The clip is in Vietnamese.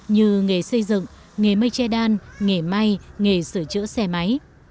như nghề xây dựng nghề mây che đan nghề may nghề sửa chữa xe máy